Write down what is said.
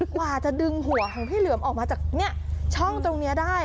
กว่าจะดึงหัวของพี่เหลือมออกมาจากช่องตรงนี้ได้